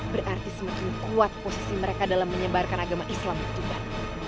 berarti semakin kuat posisi mereka dalam menyebarkan agama islam di tuban